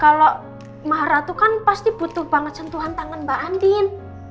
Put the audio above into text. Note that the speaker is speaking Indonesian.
kalo mbah harra tuh kan pasti butuh banget sentuhan tangan mbak andien